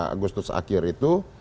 agustus akhir itu